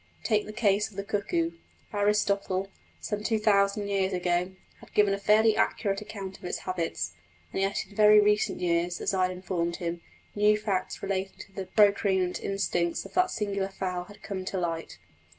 Take the case of the cuckoo. Aristotle, some two thousand years ago, had given a fairly accurate account of its habits; and yet in very recent years, as I had informed him, new facts relating to the procreant instincts of that singular fowl had come to light.